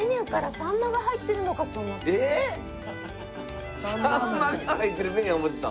サンマが入ってるメニュー思ってたん？